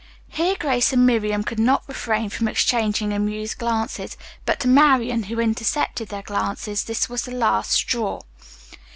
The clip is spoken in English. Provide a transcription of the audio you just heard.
Here Grace and Miriam could not refrain from exchanging amused glances, but to Marian, who intercepted their glances, this was the last straw.